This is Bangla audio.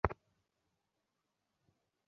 মাসে প্রায় দুই শত টাকা উপার্জন করিত।